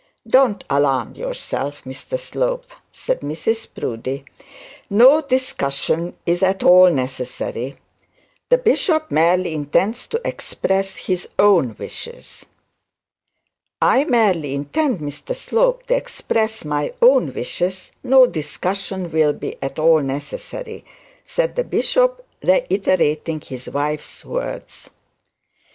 'Don't alarm yourself, Mr Slope,' said Mrs Proudie, 'no discussion is at all necessary. The bishop merely intends to express his own wishes.' 'I merely intend, Mr Slope, to express my own wishes no discussion will be at all necessary,' said the bishop, reiterating his wife's words.